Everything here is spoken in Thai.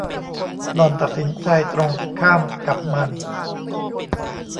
หล่อนตัดสินใจตรงข้ามกับมัน